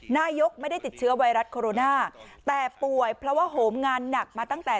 นายกไม่ได้ติดเชื้อไวรัสโคโรนาแต่ป่วยเพราะว่าโหมงานหนักมาตั้งแต่